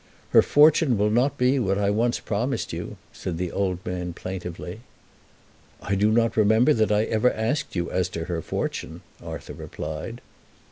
"Her fortune will not be what I once promised you," said the old man plaintively. "I do not remember that I ever asked you as to her fortune," Arthur replied.